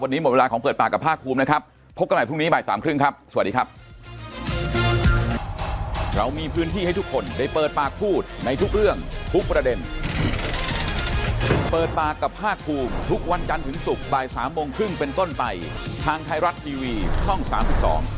วันนี้หมดเวลาของเปิดปากกับภาคภูมินะครับพบกันใหม่พรุ่งนี้บ่ายสามครึ่งครับสวัสดีครับ